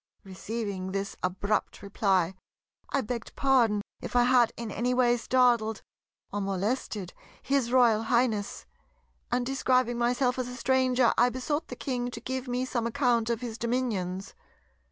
Receiving this abrupt reply, I begged pardon if I had in any way startled or molested his Royal Highness; and describing myself as a stranger I besought the King to give me some account of his dominions.